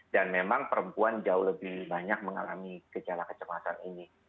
dan memang perempuan jauh lebih banyak mengalami gejala kecemasan ini